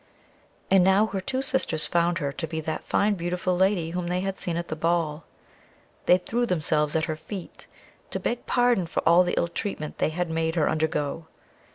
And now her two sisters found her to be that fine beautiful lady whom they had seen at the ball. They threw themselves at her feet, to beg pardon for all the ill treatment they had made her undergo.